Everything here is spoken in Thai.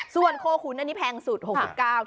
ส่วนโคขุนอันนี้แพงสุด๖๙บาท